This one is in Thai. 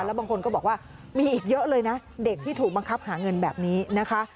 แล้วบางคนก็บอกว่ามีอีกเยอะเลยนะเด็กที่ถูกบังคับหาเงินแบบนี้นะคะ